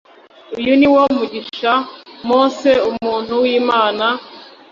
uyu ni wo mugisha mose umuntu w imana